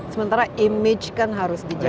sementara image kan harus dijaga